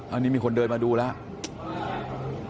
อันนี้มีคนเดินมาดูแล้ว